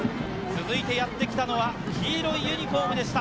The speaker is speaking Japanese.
続いてやってきたのは黄色いユニホームでした。